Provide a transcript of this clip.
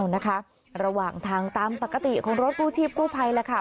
นะคะระหว่างทางตามปกติของรถกู้ชีพกู้ภัยแล้วค่ะ